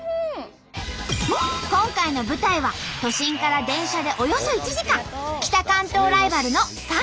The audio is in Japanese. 今回の舞台は都心から電車でおよそ１時間北関東ライバルの３県。